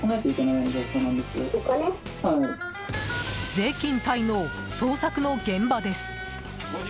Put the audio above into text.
税金滞納、捜索の現場です。